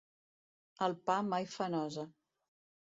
El pa mai fa nosa.